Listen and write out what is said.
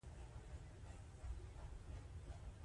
افغانستان کې وګړي د خلکو د ژوند په کیفیت تاثیر کوي.